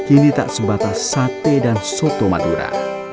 kini tak sebatas sate dan soto madura